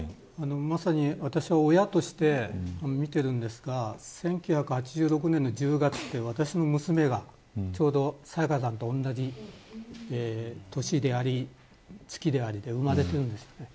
まさに私は親として見ているんですが１９８６年の１０月は、私の娘がちょうど沙也加さんと同じ年であり、月でありで生まれているんです。